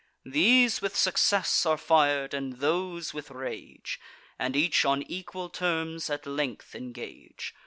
These with success are fir'd, and those with rage, And each on equal terms at length engage.